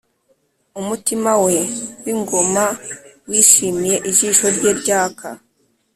umutima we w'ingoma wishimiye ijisho rye ryaka,